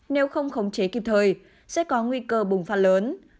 nếu không khống chế kịp thời sẽ có nguy cơ bùng phát lớn